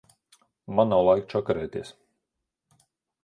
Man nav laika čakarēties.